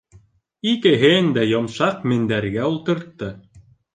Икеһен дә йомшаҡ мендәргә ултыртты.